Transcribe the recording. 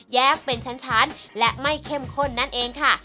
แยกเป็นชั้นและไม่เข้มข้นนั่นเองค่ะ